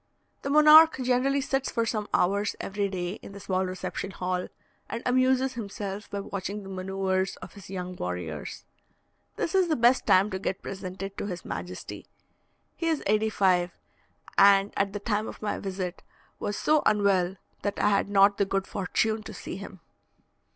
The monarch generally sits for some hours every day in the small reception hall, and amuses himself by watching the manoeuvres of his young warriors. This is the best time to get presented to his majesty. He is eighty five, and at the time of my visit was so unwell, that I had not the good fortune to see him.